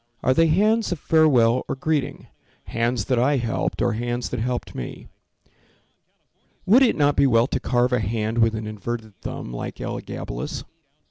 Are they hands of farewell or greeting, Hands that I helped or hands that helped me? Would it not be well to carve a hand With an inverted thumb, like Elagabalus?